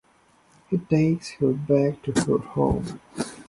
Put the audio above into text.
He takes her back to her home.